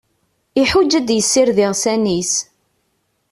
Iḥuǧǧ ad d-yessired iɣsan-is.